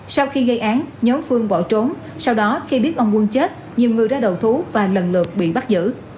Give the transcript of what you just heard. sau khi gây án nhóm phương bỏ trốn sau đó khi biết ông quân chết nhiều người ra đầu thú và lần lượt bị bắt giữ